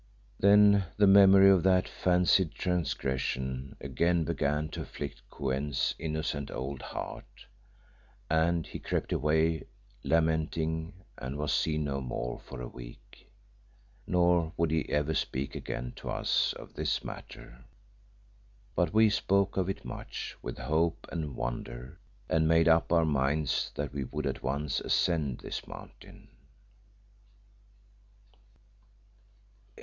Then the memory of that fancied transgression again began to afflict Kou en's innocent old heart, and he crept away lamenting and was seen no more for a week. Nor would he ever speak again to us of this matter. But we spoke of it much with hope and wonder, and made up our minds that we would at once ascend this mountain.